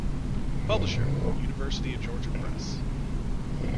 Publisher: University of Georgia Press.